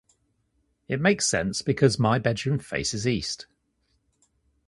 It makes sense because my bedroom faces east